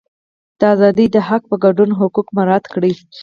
د ازادۍ د حق په ګډون حقوق مراعات کړي.